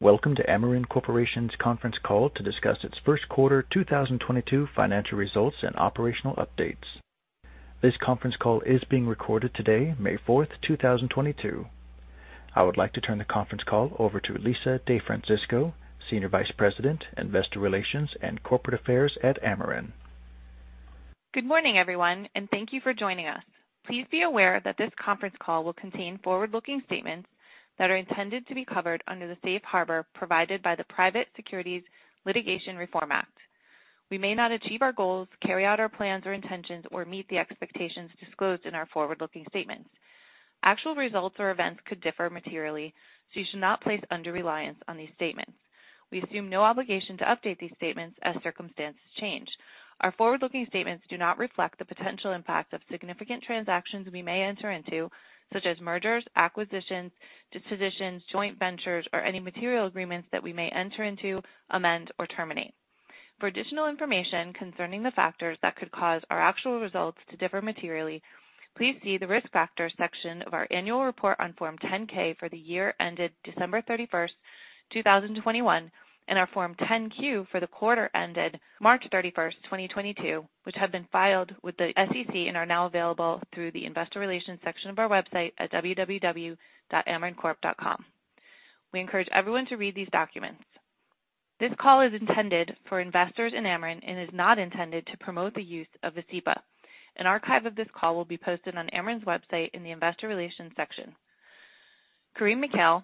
Welcome to Amarin Corporation's conference call to discuss its first quarter 2022 financial results and operational updates. This conference call is being recorded today, May 4th, 2022. I would like to turn the conference call over to Lisa DeFrancesco, Senior Vice President, Investor Relations and Corporate Affairs at Amarin. Good morning, everyone, and thank you for joining us. Please be aware that this conference call will contain forward-looking statements that are intended to be covered under the safe harbor provided by the Private Securities Litigation Reform Act. We may not achieve our goals, carry out our plans or intentions, or meet the expectations disclosed in our forward-looking statements. Actual results or events could differ materially, so you should not place undue reliance on these statements. We assume no obligation to update these statements as circumstances change. Our forward-looking statements do not reflect the potential impact of significant transactions we may enter into, such as mergers, acquisitions, dispositions, joint ventures, or any material agreements that we may enter into, amend, or terminate. For additional information concerning the factors that could cause our actual results to differ materially, please see the Risk Factors section of our annual report on Form 10-K for the year ended December 31st, 2021, and our Form 10-Q for the quarter ended March 31st, 2022, which have been filed with the SEC and are now available through the Investor Relations section of our website at www.amarincorp.com. We encourage everyone to read these documents. This call is intended for investors in Amarin and is not intended to promote the use of Vascepa. An archive of this call will be posted on Amarin's website in the Investor Relations section. Karim Mikhail,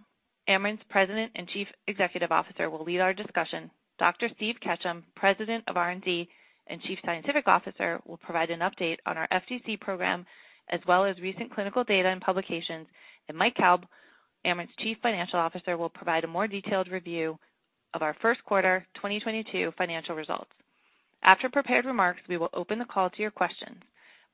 Amarin's President and Chief Executive Officer, will lead our discussion. Dr. Steve Ketchum, President of R&D and Chief Scientific Officer, will provide an update on our FDC program, as well as recent clinical data and publications. Mike Kalb, Amarin's Chief Financial Officer, will provide a more detailed review of our first quarter 2022 financial results. After prepared remarks, we will open the call to your questions.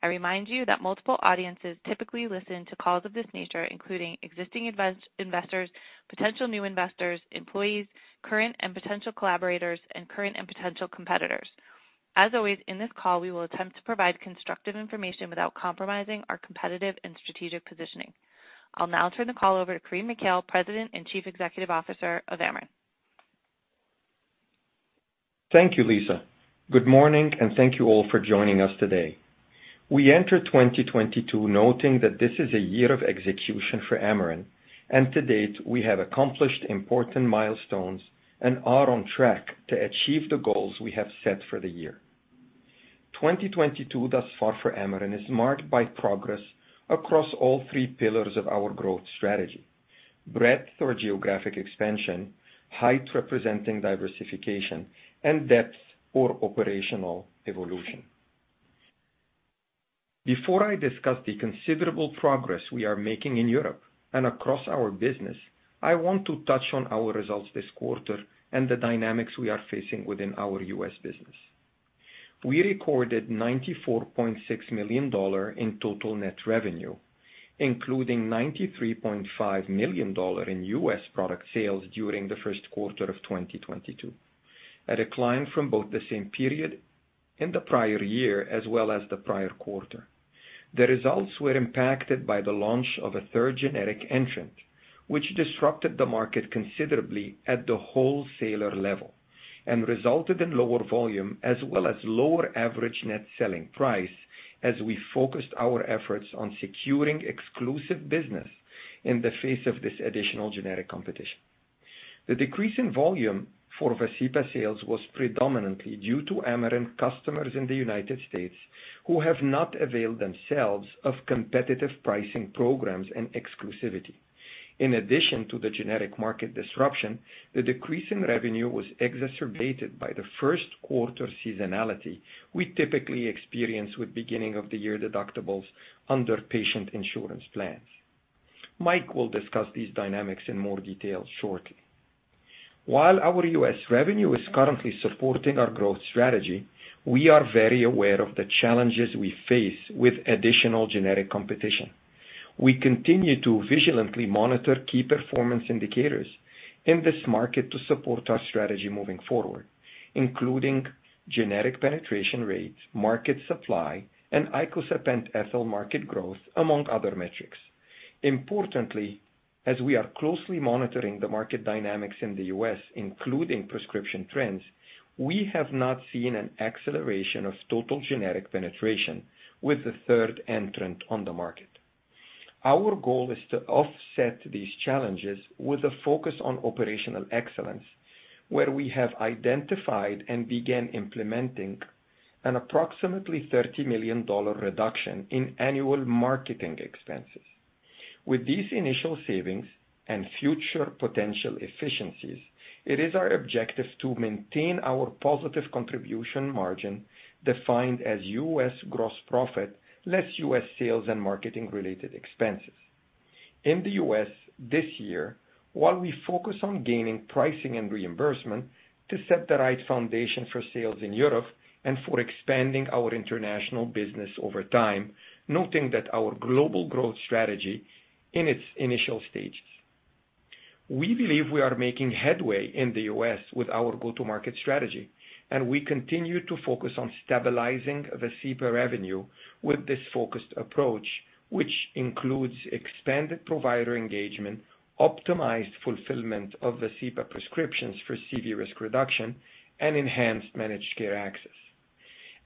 I remind you that multiple audiences typically listen to calls of this nature, including existing investors, potential new investors, employees, current and potential collaborators, and current and potential competitors. As always, in this call, we will attempt to provide constructive information without compromising our competitive and strategic positioning. I'll now turn the call over to Karim Mikhail, President and Chief Executive Officer of Amarin. Thank you, Lisa. Good morning and thank you all for joining us today. We enter 2022 noting that this is a year of execution for Amarin, and to date, we have accomplished important milestones and are on track to achieve the goals we have set for the year. 2022 thus far for Amarin is marked by progress across all three pillars of our growth strategy. Breadth or geographic expansion, height representing diversification, and depth or operational evolution. Before I discuss the considerable progress we are making in Europe and across our business, I want to touch on our results this quarter and the dynamics we are facing within our U.S. business. We recorded $94.6 million in total net revenue, including $93.5 million in U.S. product sales during the first quarter of 2022, a decline from both the same period in the prior year as well as the prior quarter. The results were impacted by the launch of a third generic entrant, which disrupted the market considerably at the wholesaler level and resulted in lower volume as well as lower average net selling price as we focused our efforts on securing exclusive business in the face of this additional generic competition. The decrease in volume for Vascepa sales was predominantly due to Amarin customers in the United States who have not availed themselves of competitive pricing programs and exclusivity. In addition to the generic market disruption, the decrease in revenue was exacerbated by the first quarter seasonality we typically experience with beginning of the year deductibles under patient insurance plans. Mike will discuss these dynamics in more detail shortly. While our U.S. revenue is currently supporting our growth strategy, we are very aware of the challenges we face with additional generic competition. We continue to vigilantly monitor key performance indicators in this market to support our strategy moving forward, including generic penetration rates, market supply, and icosapent ethyl market growth, among other metrics. Importantly, as we are closely monitoring the market dynamics in the U.S., including prescription trends, we have not seen an acceleration of total generic penetration with the third entrant on the market. Our goal is to offset these challenges with a focus on operational excellence, where we have identified and began implementing an approximately $30 million reduction in annual marketing expenses. With these initial savings and future potential efficiencies, it is our objective to maintain our positive contribution margin, defined as U.S. gross profit less U.S. sales and marketing-related expenses. In the U.S. this year, while we focus on gaining pricing and reimbursement to set the right foundation for sales in Europe and for expanding our international business over time, noting that our global growth strategy in its initial stages. We believe we are making headway in the U.S. with our go-to-market strategy, and we continue to focus on stabilizing VASCEPA revenue with this focused approach, which includes expanded provider engagement, optimized fulfillment of the VASCEPA prescriptions for CV risk reduction, and enhanced managed care access.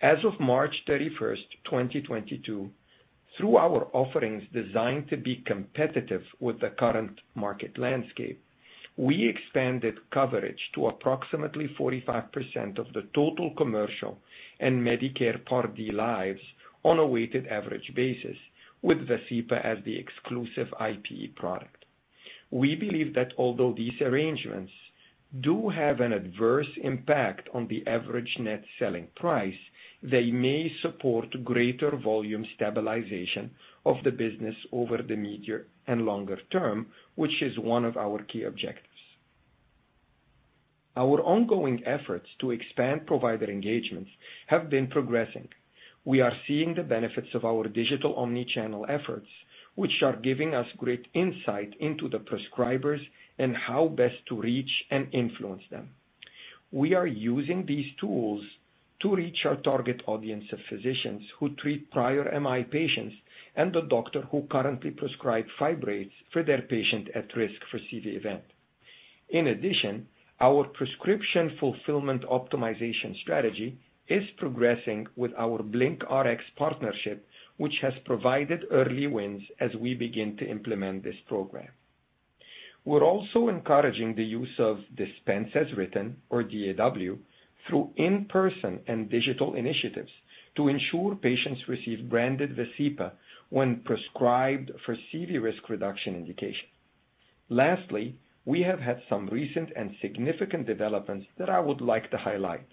As of March 31st, 2022, through our offerings designed to be competitive with the current market landscape, we expanded coverage to approximately 45% of the total commercial and Medicare Part D lives on a weighted average basis with Vascepa as the exclusive IPE product. We believe that although these arrangements do have an adverse impact on the average net selling price, they may support greater volume stabilization of the business over the medium and longer term, which is one of our key objectives. Our ongoing efforts to expand provider engagements have been progressing. We are seeing the benefits of our digital omni-channel efforts, which are giving us great insight into the prescribers and how best to reach and influence them. We are using these tools to reach our target audience of physicians who treat prior MI patients and the doctor who currently prescribe fibrates for their patient at risk for CV event. In addition, our prescription fulfillment optimization strategy is progressing with our BlinkRx partnership, which has provided early wins as we begin to implement this program. We're also encouraging the use of dispense as written, or DAW, through in-person and digital initiatives to ensure patients receive branded Vascepa when prescribed for CV risk reduction indication. Lastly, we have had some recent and significant developments that I would like to highlight.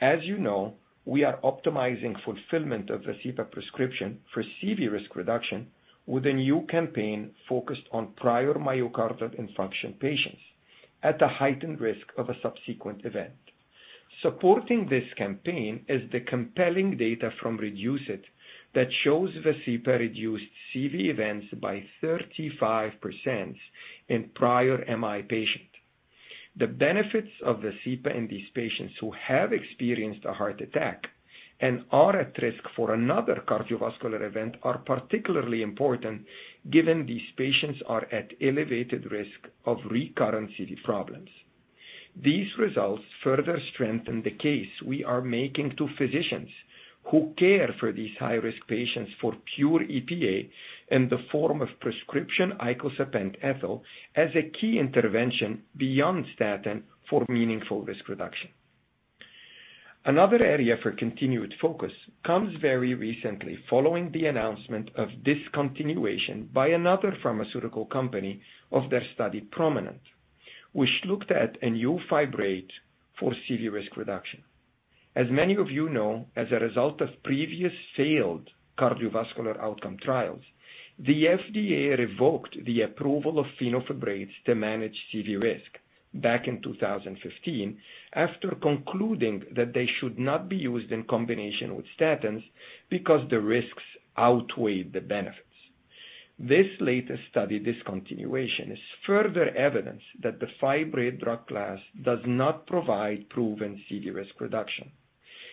As you know, we are optimizing fulfillment of Vascepa prescription for CV risk reduction with a new campaign focused on prior myocardial infarction patients at a heightened risk of a subsequent event. Supporting this campaign is the compelling data from REDUCE-IT that shows VASCEPA reduced CV events by 35% in prior MI patients. The benefits of VASCEPA in these patients who have experienced a heart attack and are at risk for another cardiovascular event are particularly important given these patients are at elevated risk of recurrent CV problems. These results further strengthen the case we are making to physicians who care for these high-risk patients for pure EPA in the form of prescription icosapent ethyl as a key intervention beyond statin for meaningful risk reduction. Another area for continued focus comes very recently following the announcement of discontinuation by another pharmaceutical company of their study, PROMINENT, which looked at a new fibrate for CV risk reduction. As many of you know, as a result of previous failed cardiovascular outcome trials, the FDA revoked the approval of fenofibrates to manage CV risk back in 2015 after concluding that they should not be used in combination with statins because the risks outweighed the benefits. This latest study discontinuation is further evidence that the fibrate drug class does not provide proven CV risk reduction.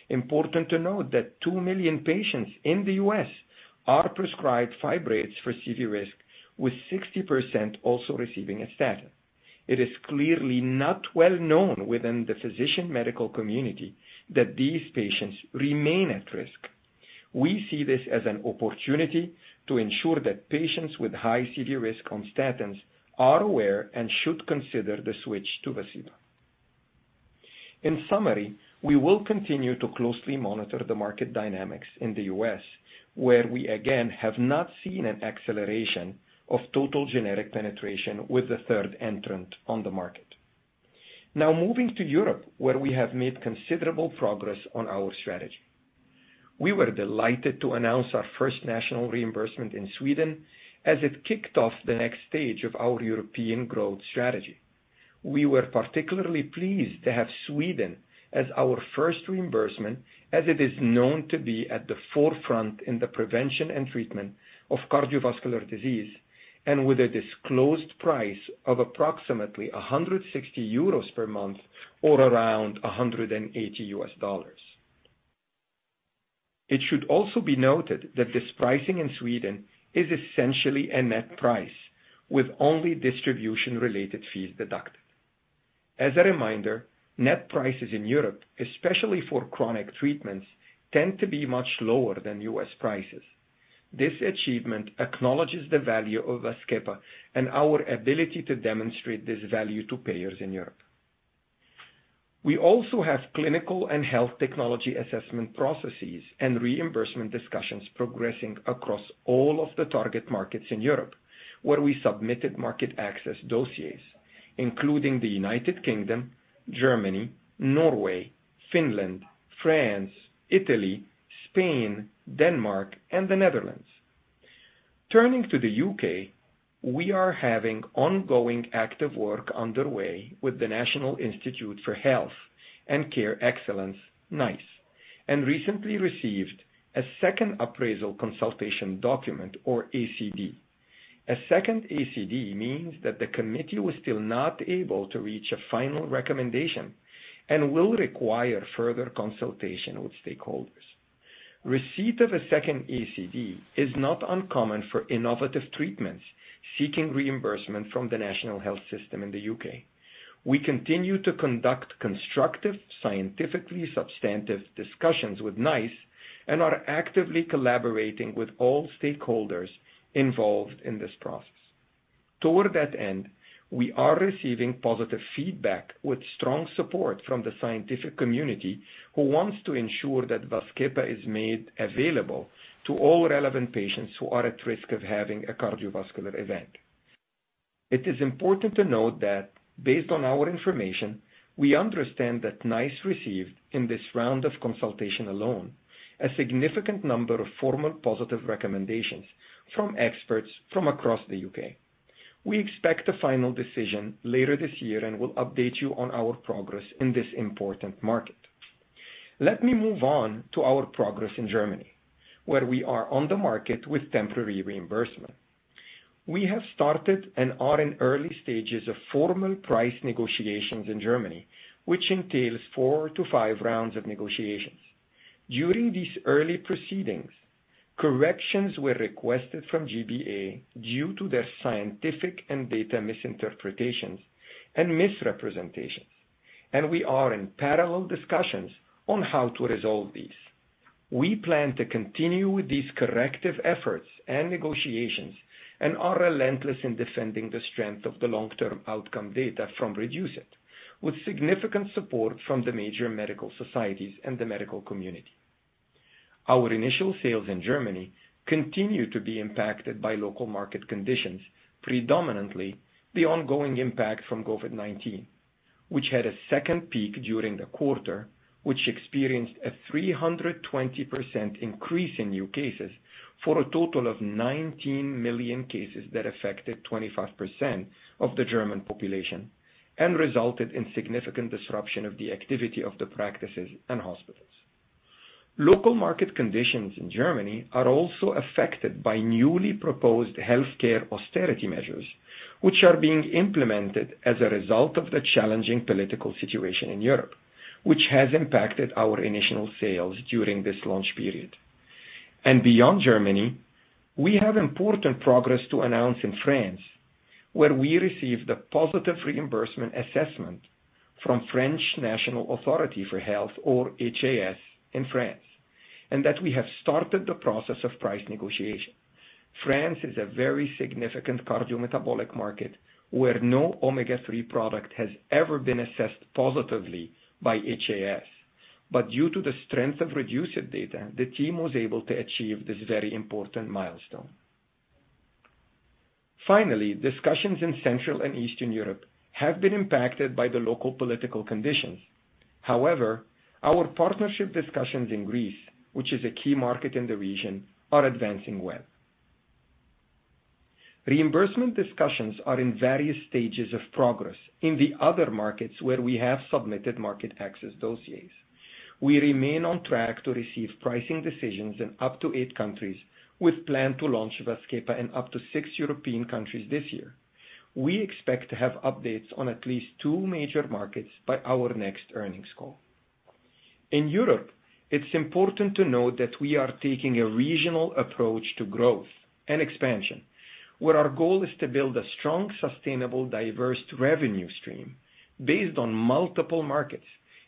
Important to note that 2 million patients in the U.S. are prescribed fibrates for CV risk, with 60% also receiving a statin. It is clearly not well known within the physician medical community that these patients remain at risk. We see this as an opportunity to ensure that patients with high CV risk on statins are aware and should consider the switch to Vascepa. In summary, we will continue to closely monitor the market dynamics in the U.S., where we again have not seen an acceleration of total generic penetration with the third entrant on the market. Now moving to Europe, where we have made considerable progress on our strategy. We were delighted to announce our first national reimbursement in Sweden as it kicked off the next stage of our European growth strategy. We were particularly pleased to have Sweden as our first reimbursement, as it is known to be at the forefront in the prevention and treatment of cardiovascular disease and with a disclosed price of approximately 160 euros per month or around $180. It should also be noted that this pricing in Sweden is essentially a net price with only distribution-related fees deducted. As a reminder, net prices in Europe, especially for chronic treatments, tend to be much lower than U.S. prices. This achievement acknowledges the value of Vascepa and our ability to demonstrate this value to payers in Europe. We also have clinical and health technology assessment processes and reimbursement discussions progressing across all of the target markets in Europe where we submitted market access dossiers, including the United Kingdom, Germany, Norway, Finland, France, Italy, Spain, Denmark, and the Netherlands. Turning to the U.K., we are having ongoing active work underway with the National Institute for Health and Care Excellence, NICE, and recently received a second appraisal consultation document or ACD. A second ACD means that the committee was still not able to reach a final recommendation and will require further consultation with stakeholders. Receipt of a second ACD is not uncommon for innovative treatments seeking reimbursement from the national health system in the U.K. We continue to conduct constructive, scientifically substantive discussions with NICE and are actively collaborating with all stakeholders involved in this process. Toward that end, we are receiving positive feedback with strong support from the scientific community, who wants to ensure that VASCEPA is made available to all relevant patients who are at risk of having a cardiovascular event. It is important to note that based on our information, we understand that NICE received, in this round of consultation alone, a significant number of formal positive recommendations from experts from across the U.K. We expect a final decision later this year and will update you on our progress in this important market. Let me move on to our progress in Germany, where we are on the market with temporary reimbursement. We have started and are in early stages of formal price negotiations in Germany, which entails four to five rounds of negotiations. During these early proceedings, corrections were requested from G-BA due to their scientific and data misinterpretations and misrepresentations, and we are in parallel discussions on how to resolve these. We plan to continue with these corrective efforts and negotiations and are relentless in defending the strength of the long-term outcome data from REDUCE-IT, with significant support from the major medical societies and the medical community. Our initial sales in Germany continue to be impacted by local market conditions, predominantly the ongoing impact from COVID-19, which had a second peak during the quarter, which experienced a 320% increase in new cases for a total of 19 million cases that affected 25% of the German population and resulted in significant disruption of the activity of the practices and hospitals. Local market conditions in Germany are also affected by newly proposed healthcare austerity measures, which are being implemented as a result of the challenging political situation in Europe, which has impacted our initial sales during this launch period. Beyond Germany, we have important progress to announce in France, where we received a positive reimbursement assessment from French National Authority for Health, or HAS in France, and that we have started the process of price negotiation. France is a very significant cardiometabolic market where no omega-3 product has ever been assessed positively by HAS. Due to the strength of REDUCE-IT data, the team was able to achieve this very important milestone. Finally, discussions in Central and Eastern Europe have been impacted by the local political conditions. However, our partnership discussions in Greece, which is a key market in the region, are advancing well. Reimbursement discussions are in various stages of progress in the other markets where we have submitted market access dossiers. We remain on track to receive pricing decisions in up to eight countries, with plan to launch VAZKEPA in up to six European countries this year. We expect to have updates on at least two major markets by our next earnings call. In Europe, it's important to note that we are taking a regional approach to growth and expansion, where our goal is to build a strong, sustainable, diverse revenue stream based on multiple markets,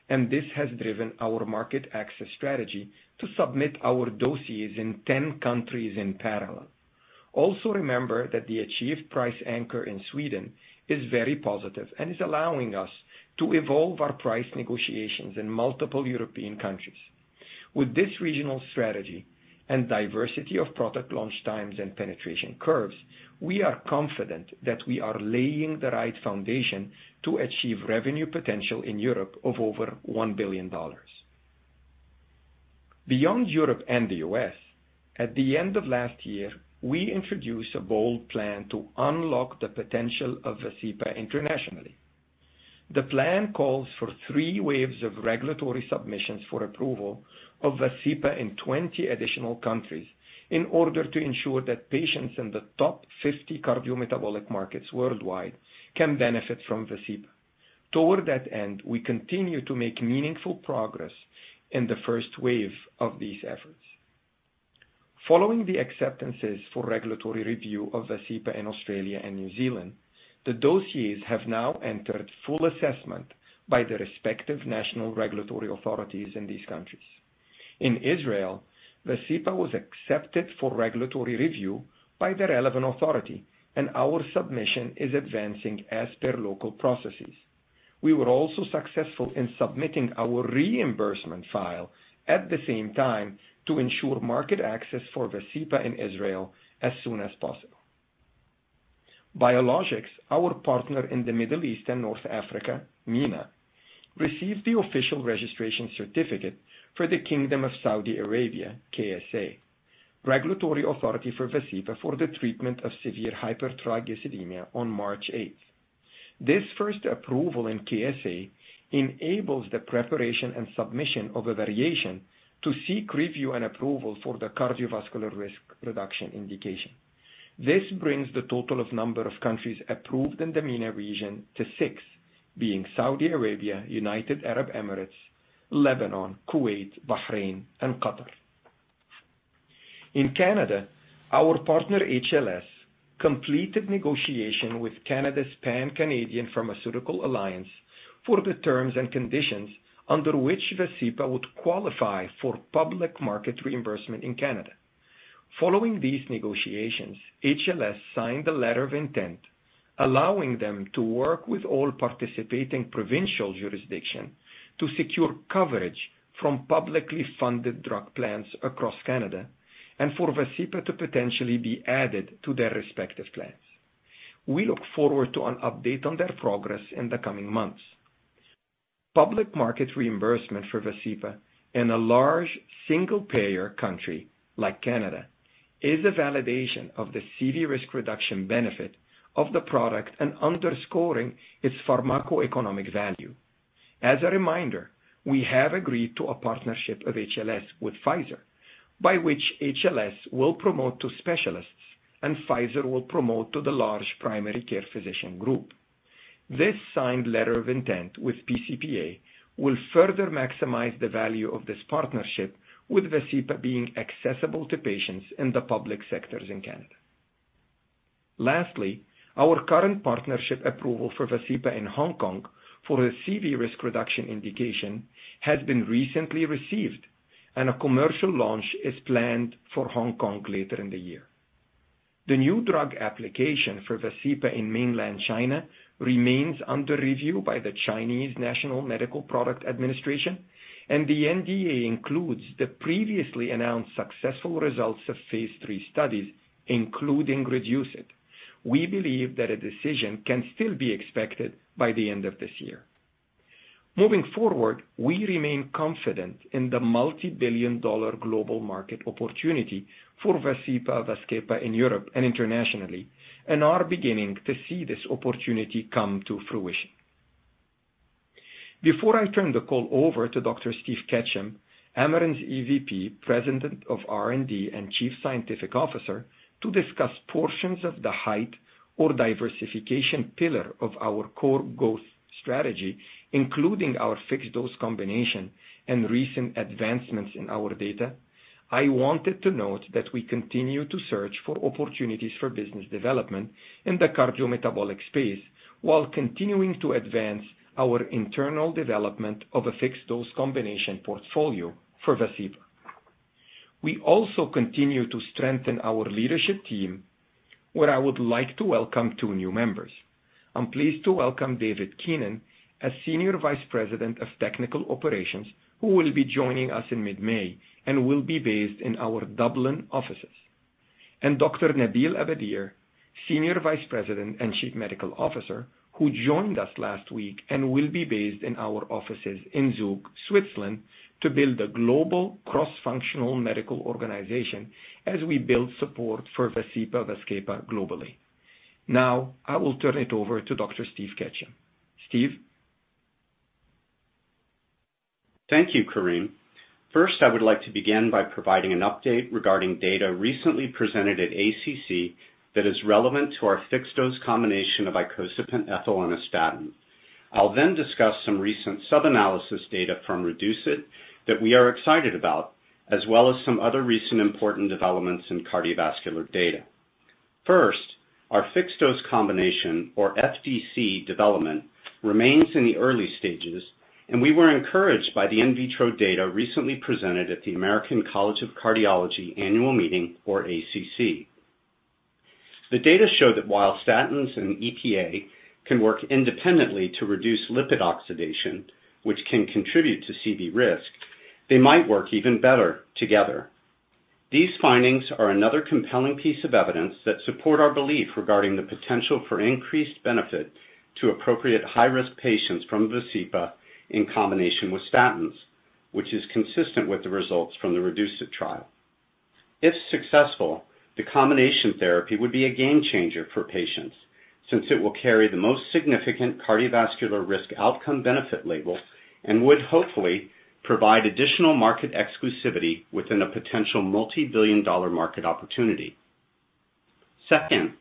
and this has driven our market access strategy to submit our dossiers in 10 countries in parallel. Also remember that the achieved price anchor in Sweden is very positive and is allowing us to evolve our price negotiations in multiple European countries. With this regional strategy and diversity of product launch times and penetration curves, we are confident that we are laying the right foundation to achieve revenue potential in Europe of over $1 billion. Beyond Europe and the U.S., at the end of last year, we introduced a bold plan to unlock the potential of VASCEPA internationally. The plan calls for three waves of regulatory submissions for approval of Vascepa in 20 additional countries in order to ensure that patients in the top 50 cardiometabolic markets worldwide can benefit from Vascepa. Toward that end, we continue to make meaningful progress in the first wave of these efforts. Following the acceptances for regulatory review of Vascepa in Australia and New Zealand, the dossiers have now entered full assessment by the respective national regulatory authorities in these countries. In Israel, Vascepa was accepted for regulatory review by the relevant authority, and our submission is advancing as per local processes. We were also successful in submitting our reimbursement file at the same time to ensure market access for Vascepa in Israel as soon as possible. Biologix, our partner in the Middle East and North Africa, MENA, received the official registration certificate for the Kingdom of Saudi Arabia, KSA, regulatory authority for Vascepa for the treatment of severe hypertriglyceridemia on March 8th. This first approval in KSA enables the preparation and submission of a variation to seek review and approval for the cardiovascular risk reduction indication. This brings the total of number of countries approved in the MENA region to six, being Saudi Arabia, United Arab Emirates, Lebanon, Kuwait, Bahrain, and Qatar. In Canada, our partner HLS completed negotiation with Canada's Pan-Canadian Pharmaceutical Alliance for the terms and conditions under which Vascepa would qualify for public market reimbursement in Canada. Following these negotiations, HLS signed a letter of intent allowing them to work with all participating provincial jurisdiction to secure coverage from publicly funded drug plans across Canada and for VASCEPA to potentially be added to their respective plans. We look forward to an update on their progress in the coming months. Public market reimbursement for VASCEPA in a large single-payer country like Canada is a validation of the CV risk reduction benefit of the product and underscoring its pharmacoeconomic value. As a reminder, we have agreed to a partnership of HLS with Pfizer, by which HLS will promote to specialists and Pfizer will promote to the large primary care physician group. This signed letter of intent with pCPA will further maximize the value of this partnership, with VASCEPA being accessible to patients in the public sectors in Canada. Lastly, our current partnership approval for VASCEPA in Hong Kong for a CV risk reduction indication has been recently received, and a commercial launch is planned for Hong Kong later in the year. The new drug application for VASCEPA in mainland China remains under review by the China National Medical Products Administration, and the NDA includes the previously announced successful results of phase III studies, including REDUCE-IT. We believe that a decision can still be expected by the end of this year. Moving forward, we remain confident in the multi-billion dollar global market opportunity for VASCEPA/VAZKEPA in Europe and internationally and are beginning to see this opportunity come to fruition. Before I turn the call over to Dr. Steve Ketchum, Amarin's EVP, President of R&D, and Chief Scientific Officer, to discuss portions of the height or diversification pillar of our core growth strategy, including our fixed-dose combination and recent advancements in our data. I wanted to note that we continue to search for opportunities for business development in the cardiometabolic space while continuing to advance our internal development of a fixed-dose combination portfolio for Vascepa. We also continue to strengthen our leadership team, where I would like to welcome two new members. I'm pleased to welcome David Keenan as Senior Vice President of Technical Operations, who will be joining us in mid-May and will be based in our Dublin offices. Dr. Nabil Abadir, Senior Vice President and Chief Medical Officer, who joined us last week and will be based in our offices in Zug, Switzerland, to build a global cross-functional medical organization as we build support for VASCEPA/VAZKEPA globally. Now, I will turn it over to Dr. Steve Ketchum. Steve? Thank you, Karim. First, I would like to begin by providing an update regarding data recently presented at ACC that is relevant to our fixed-dose combination of icosapent ethyl and ezetimibe. I'll then discuss some recent sub-analysis data from REDUCE-IT that we are excited about, as well as some other recent important developments in cardiovascular data. First, our fixed-dose combination or FDC development remains in the early stages, and we were encouraged by the in vitro data recently presented at the American College of Cardiology annual meeting or ACC. The data show that while statins and EPA can work independently to reduce lipid oxidation, which can contribute to CV risk, they might work even better together. These findings are another compelling piece of evidence that support our belief regarding the potential for increased benefit to appropriate high-risk patients from VASCEPA in combination with statins, which is consistent with the results from the REDUCE-IT trial. If successful, the combination therapy would be a game-changer for patients since it will carry the most significant cardiovascular risk outcome benefit label and would hopefully provide additional market exclusivity within a potential multi-billion dollar market opportunity. Second,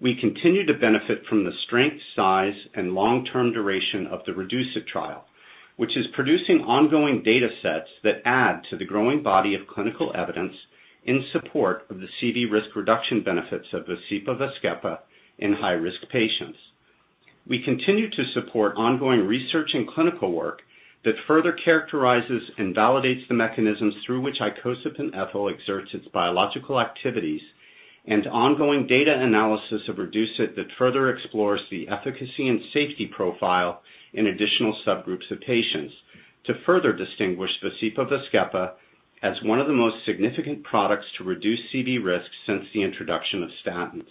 we continue to benefit from the strength, size, and long-term duration of the REDUCE-IT trial, which is producing ongoing data sets that add to the growing body of clinical evidence in support of the CV risk reduction benefits of VASCEPA/VAZKEPA in high-risk patients. We continue to support ongoing research and clinical work that further characterizes and validates the mechanisms through which icosapent ethyl exerts its biological activities, and ongoing data analysis of REDUCE-IT that further explores the efficacy and safety profile in additional subgroups of patients to further distinguish VASCEPA/VAZKEPA as one of the most significant products to reduce CV risk since the introduction of statins.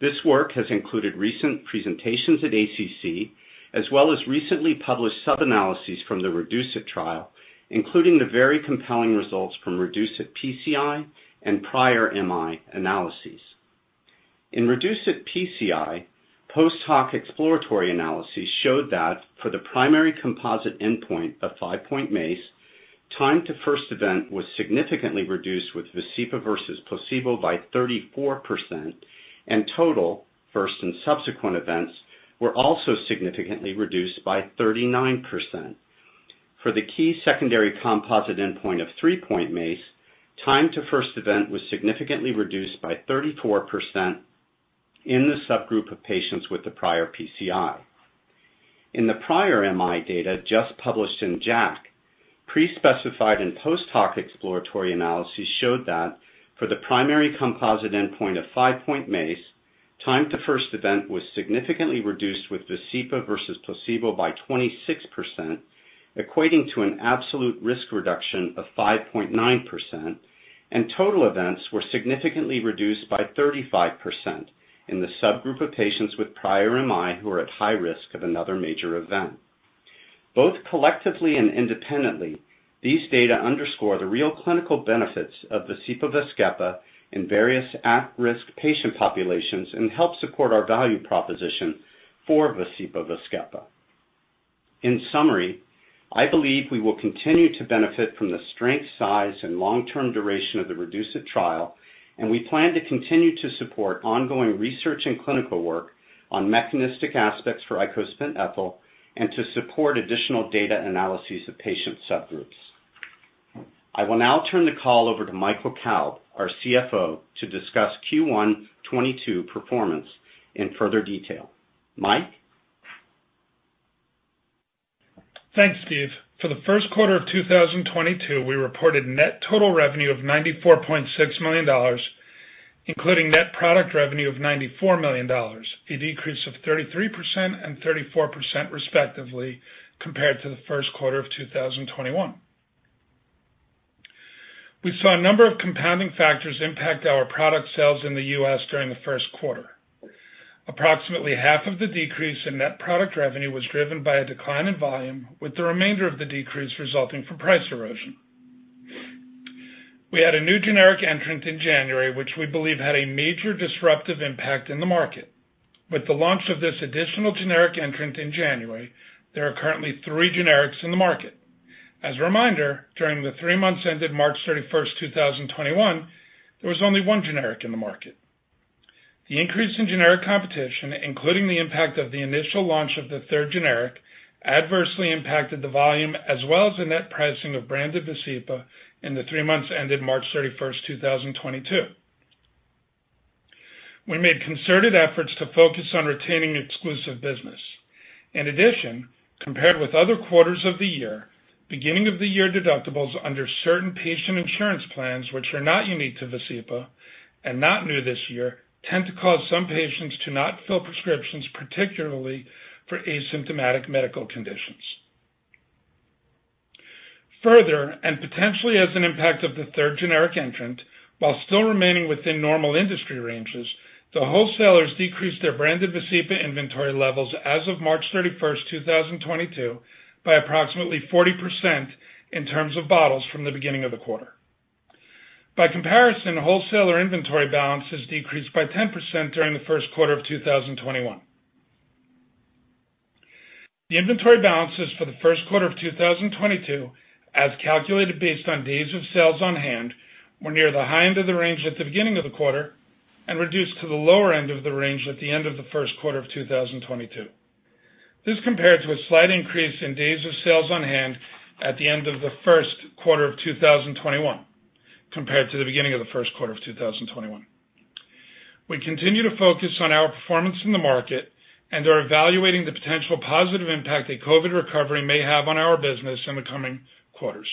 This work has included recent presentations at ACC, as well as recently published sub-analyses from the REDUCE-IT trial, including the very compelling results from REDUCE-IT PCI and prior MI analyses. In REDUCE-IT PCI, post-hoc exploratory analyses showed that for the primary composite endpoint of five-point MACE, time to first event was significantly reduced with VASCEPA versus placebo by 34%, and total first and subsequent events were also significantly reduced by 39%. For the key secondary composite endpoint of 3-point MACE, time to first event was significantly reduced by 34% in the subgroup of patients with the prior PCI. In the prior MI data just published in JACC, pre-specified and post-hoc exploratory analyses showed that for the primary composite endpoint of 5-point MACE, time to first event was significantly reduced with Vascepa versus placebo by 26%, equating to an absolute risk reduction of 5.9%, and total events were significantly reduced by 35% in the subgroup of patients with prior MI who are at high risk of another major event. Both collectively and independently, these data underscore the real clinical benefits of Vascepa in various at-risk patient populations and help support our value proposition for Vascepa. In summary, I believe we will continue to benefit from the strength, size, and long-term duration of the REDUCE-IT trial, and we plan to continue to support ongoing research and clinical work on mechanistic aspects for icosapent ethyl and to support additional data analyses of patient subgroups. I will now turn the call over to Michael Kalb, our CFO, to discuss Q1 2022 performance in further detail. Mike? Thanks, Steve. For the first quarter of 2022, we reported net total revenue of $94.6 million, including net product revenue of $94 million, a decrease of 33% and 34% respectively compared to the first quarter of 2021. We saw a number of compounding factors impact our product sales in the U.S. during the first quarter. Approximately half of the decrease in net product revenue was driven by a decline in volume, with the remainder of the decrease resulting from price erosion. We had a new generic entrant in January, which we believe had a major disruptive impact in the market. With the launch of this additional generic entrant in January, there are currently three generics in the market. As a reminder, during the three months ended March 31st, 2021, there was only one generic in the market. The increase in generic competition, including the impact of the initial launch of the third generic, adversely impacted the volume as well as the net pricing of branded Vascepa in the three months ended March 31st, 2022. We made concerted efforts to focus on retaining exclusive business. In addition, compared with other quarters of the year, beginning of the year deductibles under certain patient insurance plans which are not unique to Vascepa and not new this year tend to cause some patients to not fill prescriptions, particularly for asymptomatic medical conditions. Further, and potentially as an impact of the third generic entrant, while still remaining within normal industry ranges, the wholesalers decreased their branded VASCEPA inventory levels as of March 31st, 2022 by approximately 40% in terms of bottles from the beginning of the quarter. By comparison, wholesaler inventory balances decreased by 10% during the first quarter of 2021. The inventory balances for the first quarter of 2022, as calculated based on days of sales on hand, were near the high end of the range at the beginning of the quarter and reduced to the lower end of the range at the end of the first quarter of 2022. This compared to a slight increase in days of sales on hand at the end of the first quarter of 2021 compared to the beginning of the first quarter of 2021. We continue to focus on our performance in the market and are evaluating the potential positive impact a COVID recovery may have on our business in the coming quarters.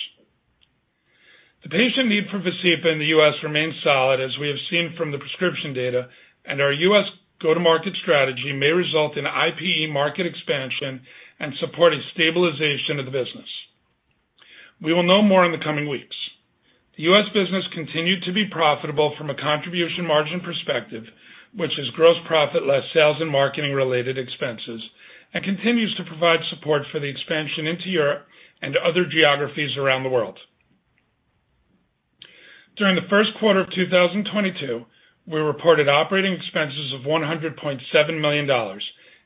The patient need for Vascepa in the U.S. remains solid, as we have seen from the prescription data, and our U.S. go-to-market strategy may result in IPE market expansion and support a stabilization of the business. We will know more in the coming weeks. The U.S. business continued to be profitable from a contribution margin perspective, which is gross profit less sales and marketing related expenses, and continues to provide support for the expansion into Europe and other geographies around the world. During the first quarter of 2022, we reported operating expenses of $100.7 million,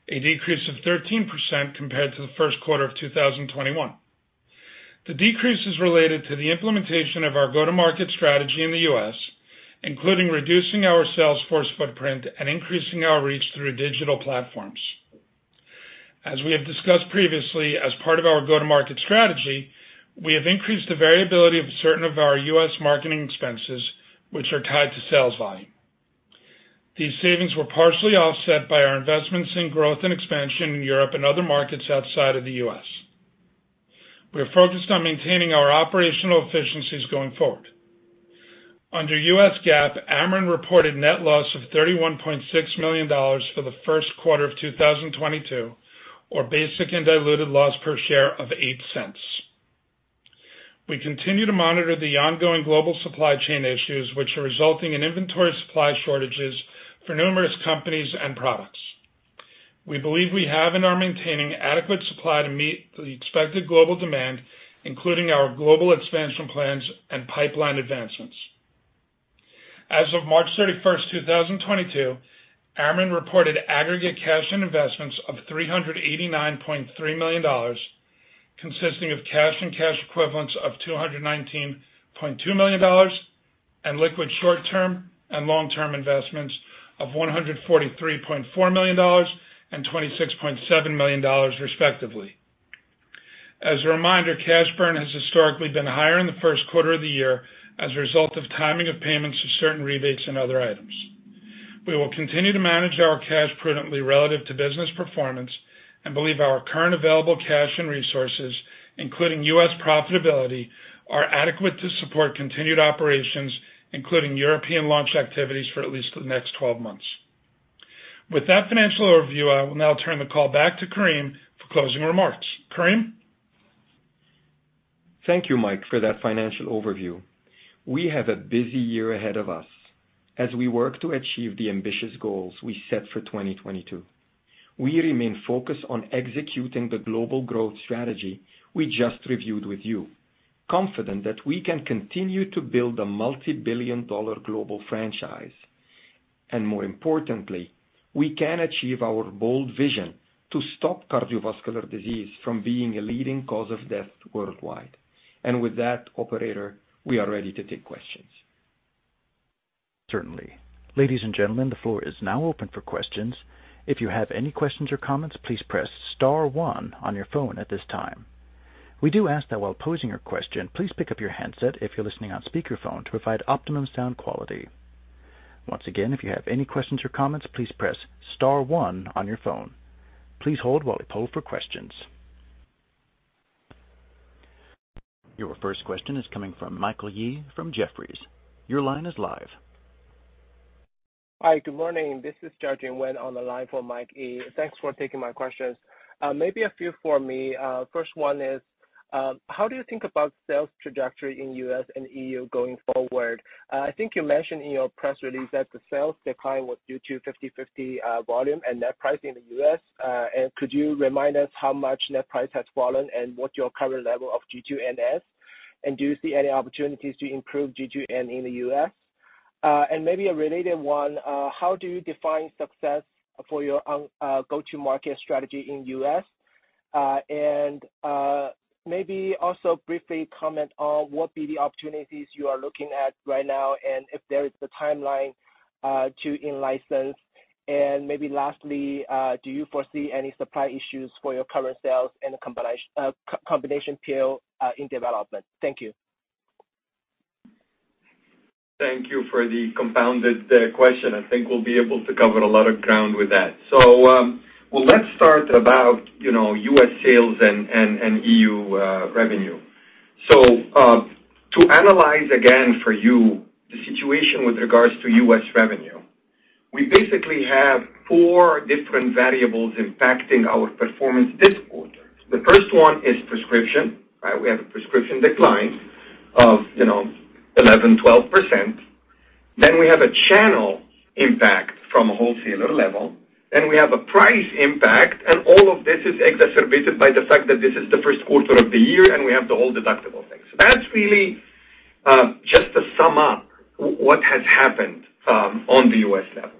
a decrease of 13% compared to the first quarter of 2021. The decrease is related to the implementation of our go-to-market strategy in the U.S., including reducing our sales force footprint and increasing our reach through digital platforms. As we have discussed previously, as part of our go-to-market strategy, we have increased the variability of certain of our U.S. marketing expenses which are tied to sales volume. These savings were partially offset by our investments in growth and expansion in Europe and other markets outside of the U.S. We are focused on maintaining our operational efficiencies going forward. Under U.S. GAAP, Amarin reported net loss of $31.6 million for the first quarter of 2022, or basic and diluted loss per share of $0.08. We continue to monitor the ongoing global supply chain issues which are resulting in inventory supply shortages for numerous companies and products. We believe we have and are maintaining adequate supply to meet the expected global demand, including our global expansion plans and pipeline advancements. As of March 31st, 2022, Amarin reported aggregate cash and investments of $389.3 million, consisting of cash and cash equivalents of $219.2 million, and liquid short-term and long-term investments of $143.4 million and $26.7 million respectively. As a reminder, cash burn has historically been higher in the first quarter of the year as a result of timing of payments of certain rebates and other items. We will continue to manage our cash prudently relative to business performance and believe our current available cash and resources, including U.S. profitability, are adequate to support continued operations, including European launch activities for at least the next 12 months. With that financial overview, I will now turn the call back to Karim for closing remarks. Karim. Thank you, Mike, for that financial overview. We have a busy year ahead of us as we work to achieve the ambitious goals we set for 2022. We remain focused on executing the global growth strategy we just reviewed with you, confident that we can continue to build a multi-billion dollar global franchise. More importantly, we can achieve our bold vision to stop cardiovascular disease from being a leading cause of death worldwide. With that, operator, we are ready to take questions. Certainly. Ladies and gentlemen, the floor is now open for questions. If you have any questions or comments, please press star one on your phone at this time. We do ask that while posing your question, please pick up your handset if you're listening on speakerphone to provide optimum sound quality. Once again, if you have any questions or comments, please press star one on your phone. Please hold while we poll for questions. Your first question is coming from Michael Yee from Jefferies. Your line is live. Hi. Good morning. This is Jiajun Wen on the line for Mike Yee. Thanks for taking my questions. Maybe a few for me. First one is, how do you think about sales trajectory in U.S. and E.U. going forward? I think you mentioned in your press release that the sales decline was due to 50/50, volume and net price in the U.S. Could you remind us how much net price has fallen and what your current level of GTN? And do you see any opportunities to improve GTN in the U.S.? Maybe a related one, how do you define success for your go-to-market strategy in U.S.? Maybe also briefly comment on what the opportunities you are looking at right now and if there is the timeline to in-license? Maybe lastly, do you foresee any supply issues for your current sales and the combination PO in development? Thank you. Thank you for the compounded question. I think we'll be able to cover a lot of ground with that. Well, let's start about, you know, U.S. sales and E.U. revenue. To analyze again for you the situation with regards to U.S. revenue, we basically have four different variables impacting our performance this quarter. The first one is prescription, right? We have a prescription decline of, you know, 11%-12%. Then we have a channel impact from a wholesaler level, then we have a price impact, and all of this is exacerbated by the fact that this is the first quarter of the year, and we have the whole deductible thing. That's really just to sum up what has happened on the U.S. level.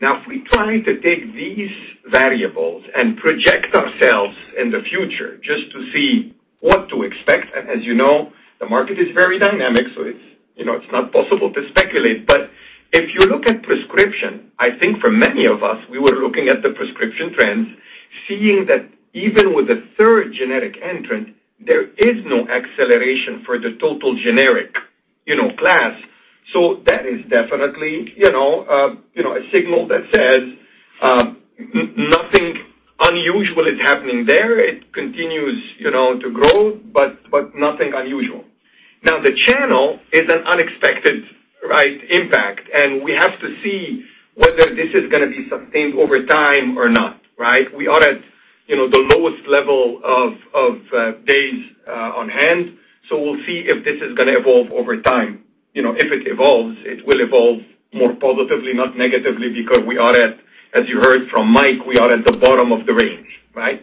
Now, if we try to take these variables and project ourselves in the future just to see what to expect, and as you know, the market is very dynamic, so it's, you know, it's not possible to speculate. But if you look at prescription, I think for many of us, we were looking at the prescription trends, seeing that even with a third generic entrant, there is no acceleration for the total generic class. So that is definitely, you know, a signal that says nothing unusual is happening there. It continues, you know, to grow, but nothing unusual. Now, the channel is an unexpected impact, and we have to see whether this is gonna be sustained over time or not, right? We are at, you know, the lowest level of days on hand, so we'll see if this is gonna evolve over time. You know, if it evolves, it will evolve more positively, not negatively, because we are at, as you heard from Mike, we are at the bottom of the range, right?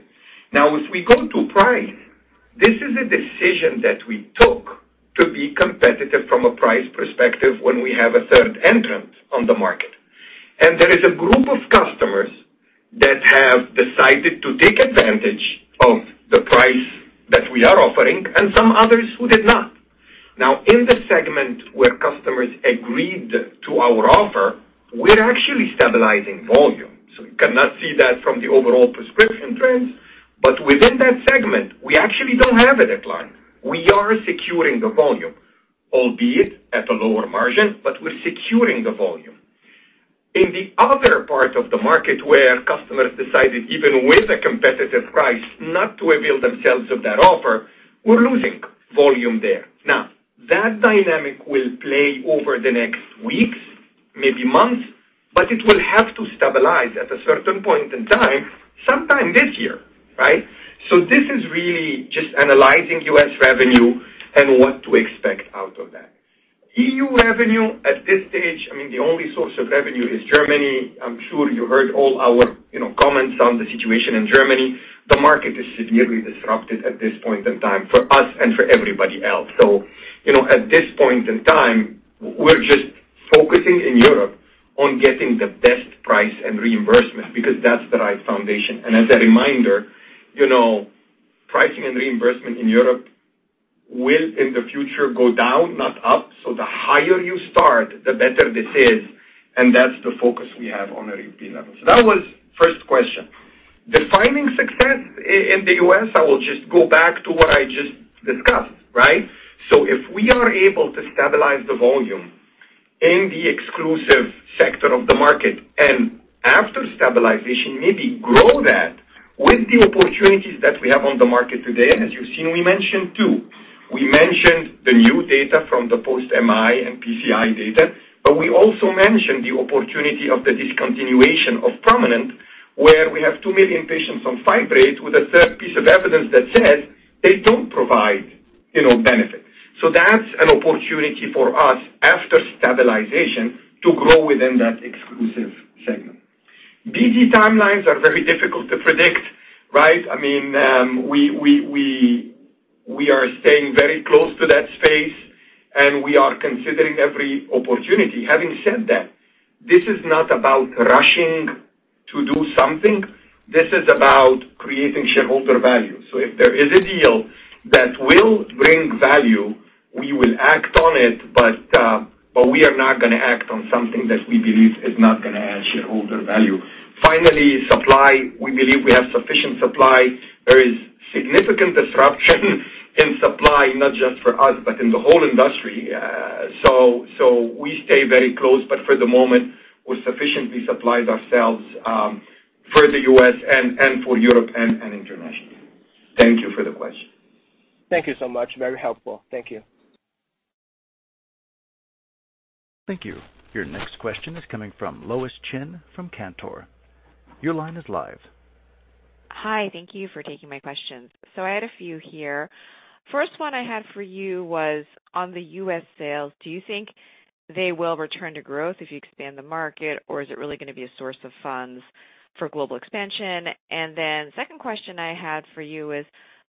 Now, as we go to price, this is a decision that we took to be competitive from a price perspective when we have a third entrant on the market. There is a group of customers that have decided to take advantage of the price that we are offering and some others who did not. Now, in the segment where customers agreed to our offer, we're actually stabilizing volume. You cannot see that from the overall prescription trends, but within that segment, we actually don't have a decline. We are securing the volume, albeit at a lower margin, but we're securing the volume. In the other parts of the market where customers decided, even with a competitive price, not to avail themselves of that offer, we're losing volume there. Now, that dynamic will play over the next weeks, maybe months, but it will have to stabilize at a certain point in time, sometime this year, right? So this is really just analyzing U.S. revenue and what to expect out of that. E.U. revenue at this stage, I mean, the only source of revenue is Germany. I'm sure you heard all our, you know, comments on the situation in Germany. The market is severely disrupted at this point in time for us and for everybody else. You know, at this point in time, we're just focusing in Europe on getting the best price and reimbursement because that's the right foundation. As a reminder, you know, pricing and reimbursement in Europe will, in the future go down, not up. The higher you start, the better this is, and that's the focus we have on a reimbursement level. That was first question. Defining success in the U.S., I will just go back to what I just discussed, right? If we are able to stabilize the volume in the exclusive sector of the market, and after stabilization, maybe grow that with the opportunities that we have on the market today, and as you've seen, we mentioned two. We mentioned the new data from the post-MI and PCI data, but we also mentioned the opportunity of the discontinuation of PROMINENT, where we have 2 million patients on fibrates with a third piece of evidence that says they don't provide, you know, benefit. That's an opportunity for us after stabilization to grow within that exclusive segment. BD timelines are very difficult to predict, right? I mean, we are staying very close to that space, and we are considering every opportunity. Having said that, this is not about rushing to do something. This is about creating shareholder value. If there is a deal that will bring value, we will act on it, but we are not gonna act on something that we believe is not gonna add shareholder value. Finally, supply. We believe we have sufficient supply. There is significant disruption in supply, not just for us, but in the whole industry. We stay very close, but for the moment, we sufficiently supplied ourselves, for the U.S. and for Europe and internationally. Thank you for the question. Thank you so much. Very helpful. Thank you. Thank you. Your next question is coming from Louise Chen from Cantor. Your line is live. Hi. Thank you for taking my questions. I had a few here. First one I had for you was on the U.S. sales, do you think they will return to growth if you expand the market, or is it really gonna be a source of funds for global expansion? Second question I had for you is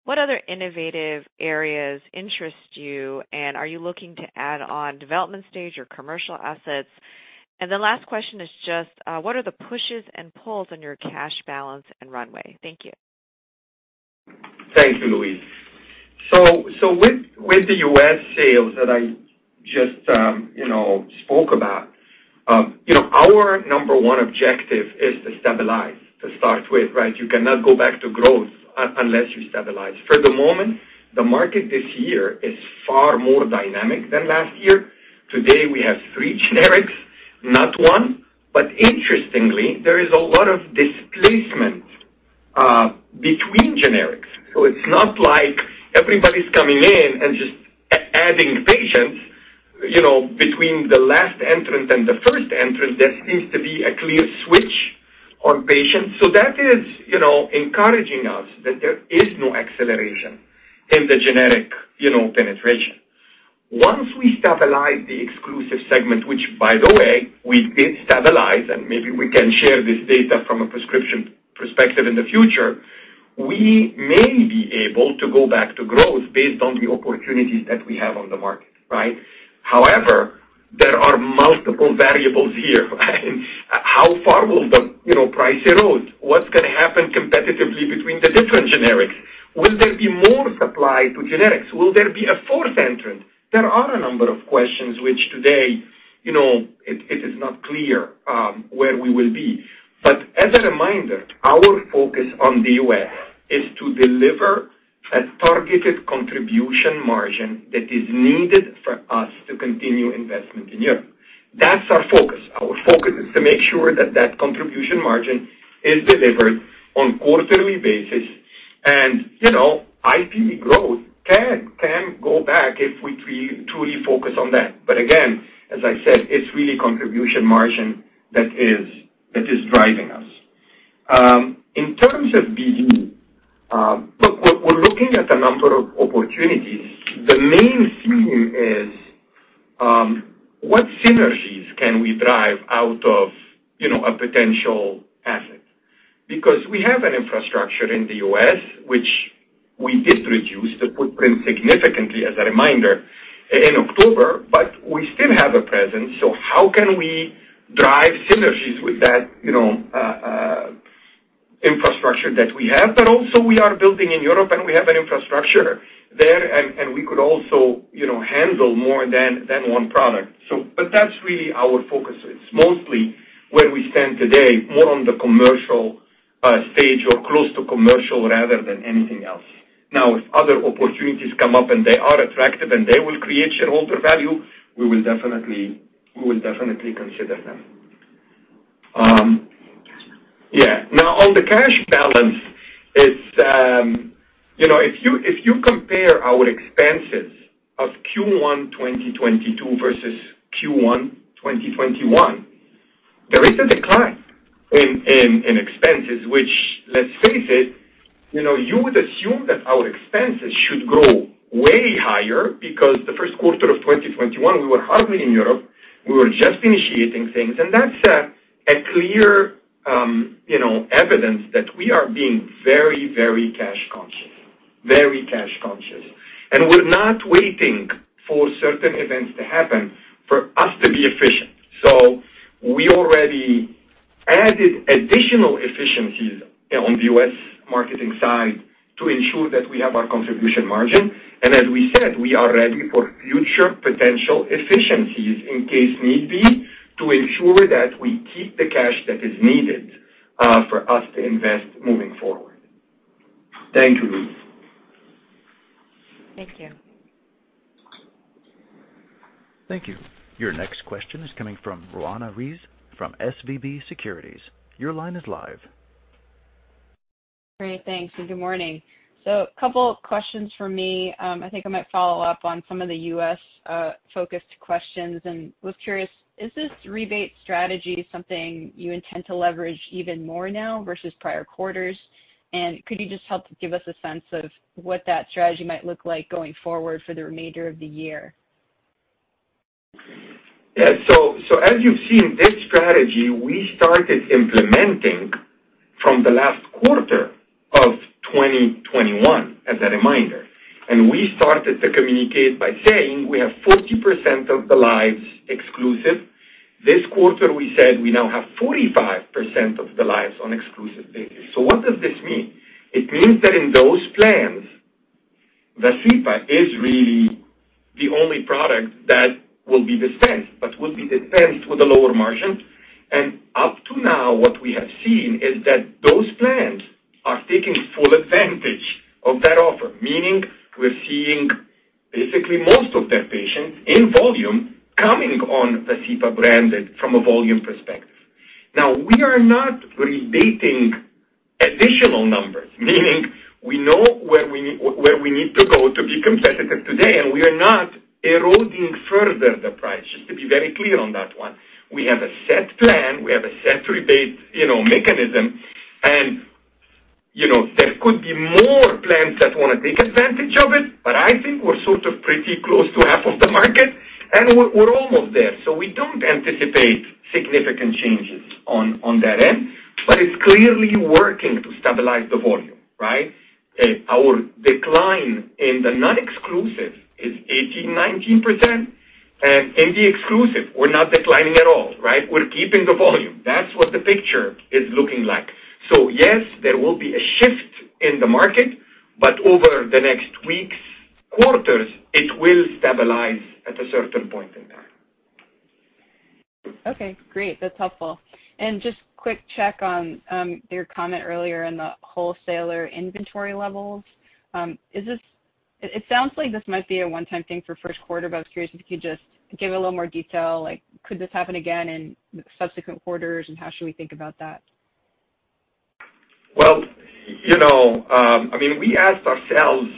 what other innovative areas interest you, and are you looking to add on development stage or commercial assets? The last question is just, what are the pushes and pulls on your cash balance and runway? Thank you. Thank you, Louise. With the U.S. sales that I just you know spoke about you know our number one objective is to stabilize to start with, right? You cannot go back to growth unless you stabilize. For the moment, the market this year is far more dynamic than last year. Today, we have three generics, not one. Interestingly, there is a lot of displacement between generics. It's not like everybody's coming in and just adding patients, you know, between the last entrant and the first entrant, there seems to be a clear switch on patients. That is you know encouraging us that there is no acceleration in the generic you know penetration. Once we stabilize the exclusive segment, which by the way, we did stabilize, and maybe we can share this data from a prescription perspective in the future, we may be able to go back to growth based on the opportunities that we have on the market, right? However, there are multiple variables here, right? How far will the, you know, price erode? What's gonna happen competitively between the different generics? Will there be more supply to generics? Will there be a fourth entrant? There are a number of questions which today, you know, it is not clear where we will be. But as a reminder, our focus on the U.S. is to deliver a targeted contribution margin that is needed for us to continue investment in Europe. That's our focus. Our focus is to make sure that that contribution margin is delivered on quarterly basis. You know, IP growth can go back if we truly focus on that. Again, as I said, it's really contribution margin that is driving us. In terms of BD, look, we're looking at a number of opportunities. The main theme is, what synergies can we drive out of, you know, a potential asset? Because we have an infrastructure in the U.S., which we did reduce the footprint significantly as a reminder in October, but we still have a presence. How can we drive synergies with that, you know, infrastructure that we have? Also we are building in Europe and we have an infrastructure there and we could also, you know, handle more than one product. That's really our focus. It's mostly where we stand today, more on the commercial stage or close to commercial rather than anything else. Now, if other opportunities come up and they are attractive and they will create shareholder value, we will definitely consider them. Now, on the cash balance, it's you know, if you compare our expenses of Q1 2022 versus Q1 2021. There is a decline in expenses which, let's face it, you know, you would assume that our expenses should go way higher because the first quarter of 2021 we were hardly in Europe, we were just initiating things. That's a clear you know evidence that we are being very cash conscious. Very cash conscious. We're not waiting for certain events to happen for us to be efficient. We already added additional efficiencies on the U.S. marketing side to ensure that we have our contribution margin. As we said, we are ready for future potential efficiencies in case need be, to ensure that we keep the cash that is needed for us to invest moving forward. Thank you, Louise. Thank you. Thank you. Your next question is coming from Roanna Ruiz from SVB Securities. Your line is live. Great. Thanks, and good morning. Couple questions from me. I think I might follow up on some of the U.S. focused questions and was curious, is this rebate strategy something you intend to leverage even more now versus prior quarters? And could you just help give us a sense of what that strategy might look like going forward for the remainder of the year? As you've seen, this strategy we started implementing from the last quarter of 2021, as a reminder. We started to communicate by saying we have 40% of the lives exclusive. This quarter we said we now have 45% of the lives on exclusive basis. What does this mean? It means that in those plans, Vascepa is really the only product that will be dispensed, but will be dispensed with a lower margin. Up to now, what we have seen is that those plans are taking full advantage of that offer. Meaning we're seeing basically most of their patients in volume coming on Vascepa branded from a volume perspective. Now, we are not rebating additional numbers. Meaning we know where we need to go to be competitive today, and we are not eroding further the price. Just to be very clear on that one. We have a set plan, we have a set rebate, you know, mechanism. You know, there could be more plans that wanna take advantage of it, but I think we're sort of pretty close to half of the market, and we're almost there. We don't anticipate significant changes on that end. It's clearly working to stabilize the volume, right? Our decline in the non-exclusive is 18%-19%. In the exclusive, we're not declining at all, right? We're keeping the volume. That's what the picture is looking like. Yes, there will be a shift in the market, but over the next weeks, quarters, it will stabilize at a certain point in time. Okay, great. That's helpful. Just quick check on your comment earlier in the wholesaler inventory levels. It sounds like this might be a one-time thing for first quarter, but I was curious if you could just give a little more detail, like could this happen again in subsequent quarters, and how should we think about that? Well, you know, I mean, we asked ourselves,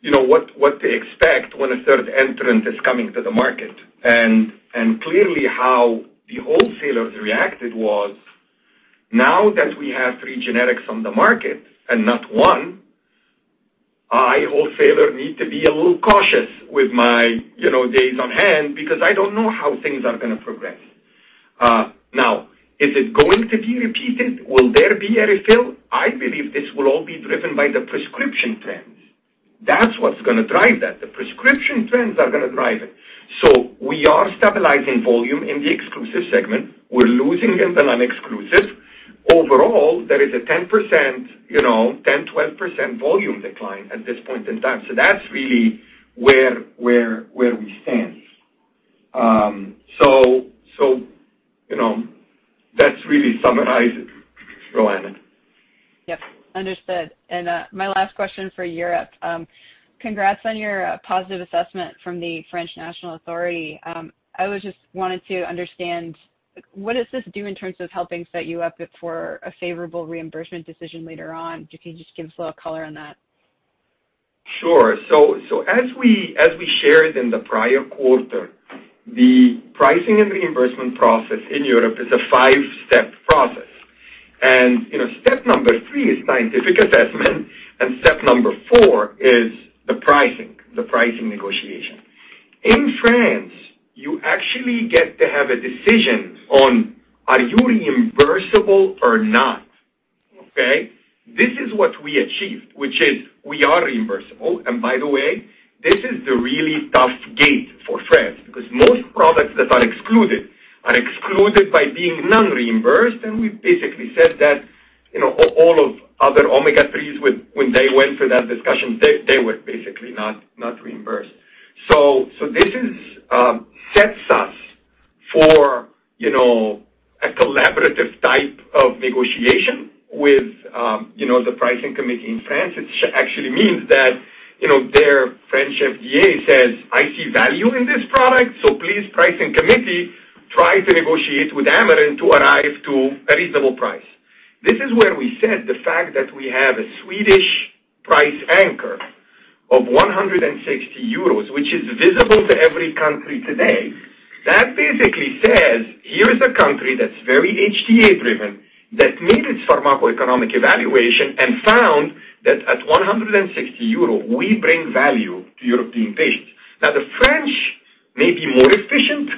you know, what to expect when a third entrant is coming to the market. Clearly how the wholesalers reacted was, now that we have three generics on the market, and not one, I wholesaler need to be a little cautious with my, you know, days on hand because I don't know how things are gonna progress. Now, is it going to be repeated? Will there be a refill? I believe this will all be driven by the prescription trends. That's what's gonna drive that. The prescription trends are gonna drive it. We are stabilizing volume in the exclusive segment. We're losing in the non-exclusive. Overall, there is a 10%, you know, 10-12% volume decline at this point in time. That's really where we stand. You know, that really summarizes, Roanna. Yep. Understood. My last question for Europe. Congrats on your positive assessment from the French National Authority for Health. I just wanted to understand, what does this do in terms of helping set you up for a favorable reimbursement decision later on? If you could just give us a little color on that. Sure. As we shared in the prior quarter, the pricing and reimbursement process in Europe is a five-step process. You know, step number three is scientific assessment, and step number four is the pricing negotiation. In France, you actually get to have a decision on are you reimbursable or not. Okay. This is what we achieved, which is we are reimbursable. By the way, this is the really tough gate for France because most products that are excluded are excluded by being non-reimbursed, and we basically said that, you know, all of other omega-3s when they went through that discussion, they were basically not reimbursed. This sets us for, you know, a collaborative type of negotiation with, you know, the pricing committee in France. Actually means that, you know, their French FDA says, "I see value in this product, so please pricing committee, try to negotiate with Amarin to arrive to a reasonable price." This is where we said the fact that we have a Swedish price anchor of 160 euros, which is visible to every country today. That basically says, here's a country that's very HTA-driven, that made its pharmacoeconomic evaluation and found that at 160 euro, we bring value to European patients. Now, the French may be more efficient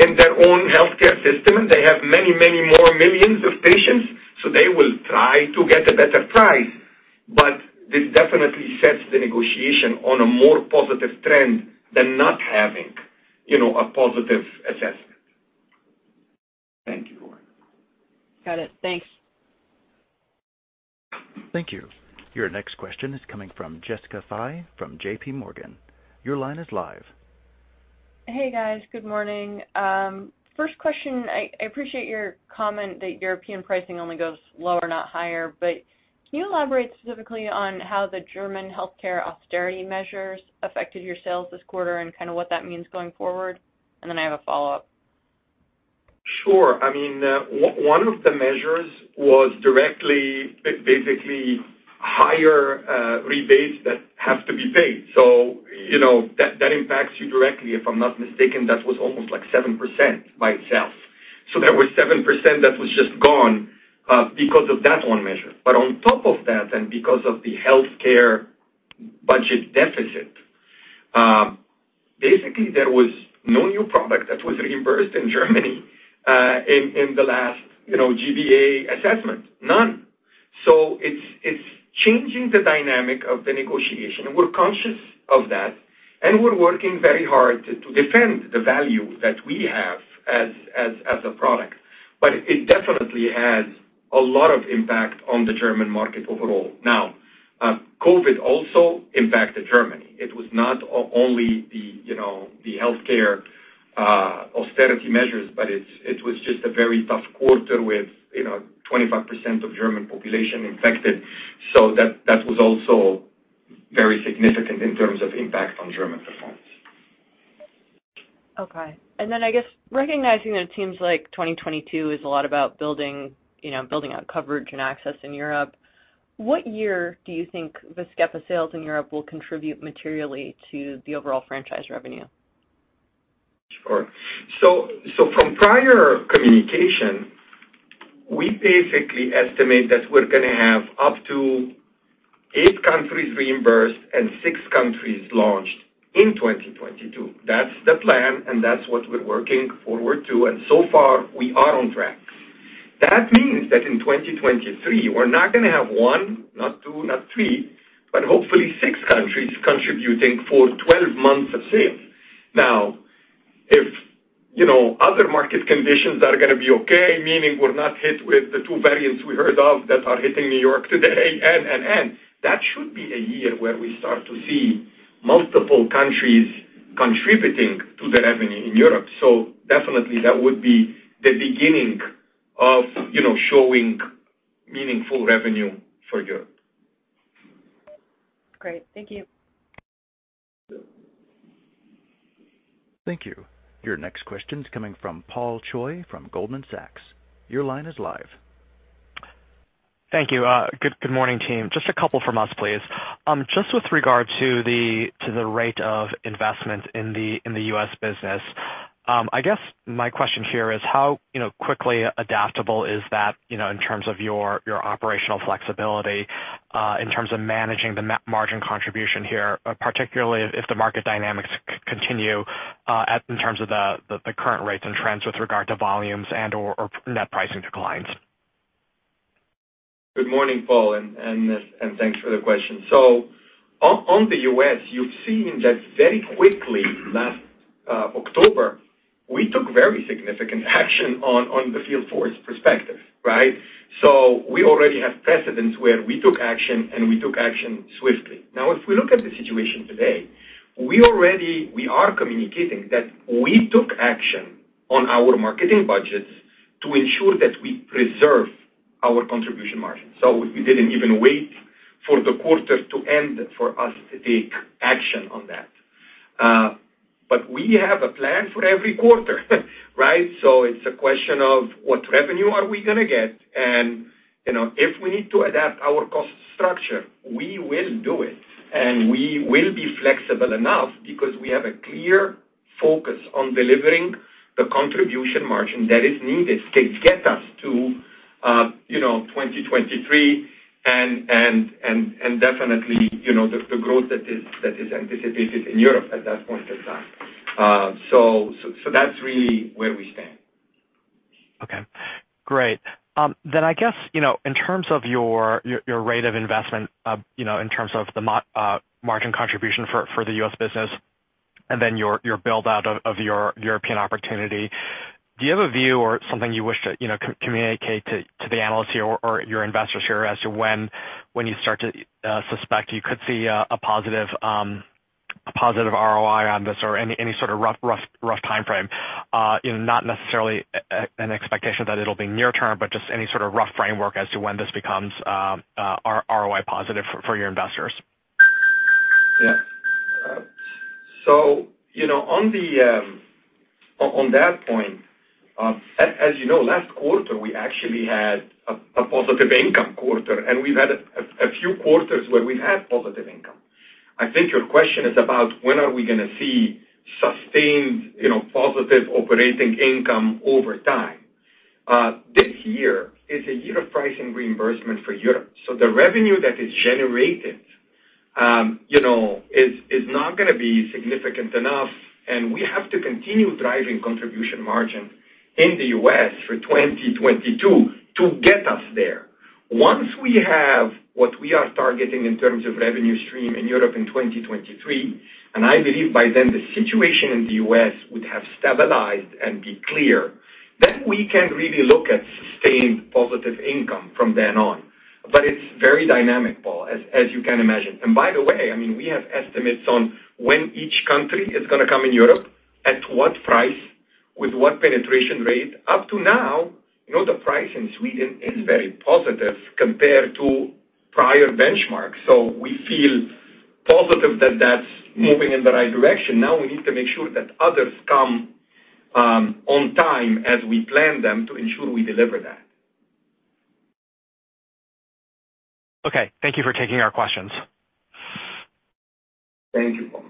in their own healthcare system, and they have many, many more millions of patients, so they will try to get a better price. But this definitely sets the negotiation on a more positive trend than not having, you know, a positive assessment. Thank you. Got it. Thanks. Thank you. Your next question is coming from Jessica Fye from J.P. Morgan. Your line is live. Hey, guys. Good morning. First question. I appreciate your comment that European pricing only goes lower, not higher, but can you elaborate specifically on how the German healthcare austerity measures affected your sales this quarter and kinda what that means going forward? I have a follow-up. Sure. I mean, one of the measures was directly, basically higher rebates that have to be paid. You know, that impacts you directly. If I'm not mistaken, that was almost like 7% by itself. There was 7% that was just gone, because of that one measure. On top of that, and because of the healthcare budget deficit, basically there was no new product that was reimbursed in Germany, in the last you know, G-BA assessment. None. It's changing the dynamic of the negotiation, and we're conscious of that, and we're working very hard to defend the value that we have as a product. It definitely has a lot of impact on the German market overall. Now, COVID also impacted Germany. It was not only the, you know, the healthcare austerity measures, but it was just a very tough quarter with, you know, 25% of German population infected. That was also very significant in terms of impact on German performance. Okay. I guess recognizing that it seems like 2022 is a lot about building, you know, building out coverage and access in Europe, what year do you think VASCEPA sales in Europe will contribute materially to the overall franchise revenue? Sure. From prior communication, we basically estimate that we're gonna have up to eight countries reimbursed and six countries launched in 2022. That's the plan, and that's what we're working forward to, and so far we are on track. That means that in 2023, we're not gonna have one, not two, not three, but hopefully six countries contributing for 12 months of sales. Now, if, you know, other market conditions are gonna be okay, meaning we're not hit with the two variants we heard of that are hitting New York today, and that should be a year where we start to see multiple countries contributing to the revenue in Europe. Definitely that would be the beginning of, you know, showing meaningful revenue for Europe. Great. Thank you. Yep. Thank you. Your next question's coming from Paul Choi from Goldman Sachs. Your line is live. Thank you. Good morning, team. Just a couple from us, please. Just with regard to the rate of investment in the U.S. business, I guess my question here is how quickly adaptable is that, you know, in terms of your operational flexibility in terms of managing the margin contribution here, particularly if the market dynamics continue in terms of the current rates and trends with regard to volumes and/or net pricing declines? Good morning, Paul, and thanks for the question. On the U.S., you've seen that very quickly last October, we took very significant action on the field force perspective, right? We already have precedents where we took action, and we took action swiftly. Now, if we look at the situation today, we are communicating that we took action on our marketing budgets to ensure that we preserve our contribution margin. We didn't even wait for the quarter to end for us to take action on that. We have a plan for every quarter, right? It's a question of what revenue are we gonna get and, you know, if we need to adapt our cost structure, we will do it, and we will be flexible enough because we have a clear focus on delivering the contribution margin that is needed to get us to, you know, 2023 and definitely, you know, the growth that is anticipated in Europe at that point in time. So that's really where we stand. Okay. Great. I guess, you know, in terms of your rate of investment, you know, in terms of the margin contribution for the U.S. business and then your build-out of your European opportunity, do you have a view or something you wish to, you know, communicate to the analysts here or your investors here as to when you start to suspect you could see a positive ROI on this or any sort of rough timeframe? You know, not necessarily an expectation that it'll be near term, but just any sort of rough framework as to when this becomes ROI positive for your investors. Yeah. You know, on that point, as you know, last quarter, we actually had a positive income quarter, and we've had a few quarters where we've had positive income. I think your question is about when are we gonna see sustained, you know, positive operating income over time. This year is a year of pricing reimbursement for Europe. The revenue that is generated, you know, is not gonna be significant enough, and we have to continue driving contribution margin in the U.S. for 2022 to get us there. Once we have what we are targeting in terms of revenue stream in Europe in 2023, and I believe by then the situation in the U.S. would have stabilized and be clear, then we can really look at sustained positive income from then on. It's very dynamic, Paul, as you can imagine. By the way, I mean, we have estimates on when each country is gonna come in Europe, at what price, with what penetration rate. Up to now, you know, the price in Sweden is very positive compared to prior benchmarks. We feel positive that that's moving in the right direction. Now we need to make sure that others come on time as we plan them to ensure we deliver that. Okay. Thank you for taking our questions. Thank you, Paul.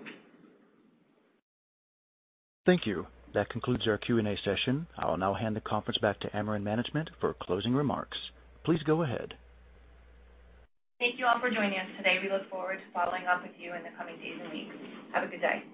Thank you. That concludes our Q&A session. I will now hand the conference back to Amarin management for closing remarks. Please go ahead. Thank you all for joining us today. We look forward to following up with you in the coming days and weeks. Have a good day.